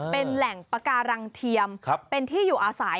เป็นแหล่งปาการังเทียมเป็นที่อยู่อาศัย